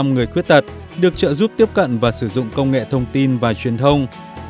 một mươi người khuyết tật được trợ giúp tiếp cận và sử dụng công nghệ thông tin và truyền thông